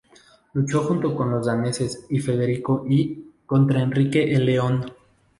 Luchó junto con los daneses y Federico I contra Enrique el León.